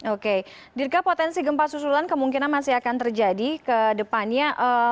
oke dirka potensi gempa susulan kemungkinan masih akan terjadi ke depannya